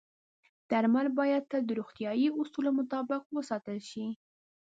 درمل باید تل د روغتیايي اصولو مطابق وساتل شي.